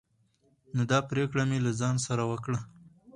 نو دا پريکړه مې له ځان سره وکړه